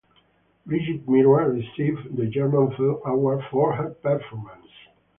Brigitte Mira received the German Film Award for her performance.